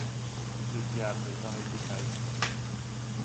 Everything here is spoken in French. Le diable dans les détails.